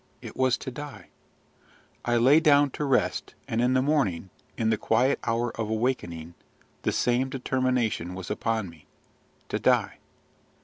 It was to die. I lay down to rest; and in the morning, in the quiet hour of awakening, the same determination was upon me. To die!